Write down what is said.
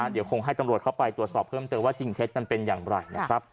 เดี๋ยวคงให้ตำรวจเข้าไปตรวจสอบเพิ่มเติมว่าจริงเท็จมันเป็นอย่างไรนะครับ